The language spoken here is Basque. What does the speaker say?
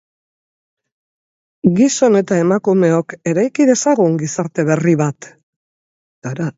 Gizon eta emakumeok eraiki dezagun gizarte berri bat.